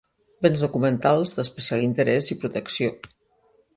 Béns documentals d'especial interès i protecció.